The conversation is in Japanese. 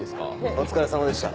お疲れさまでした。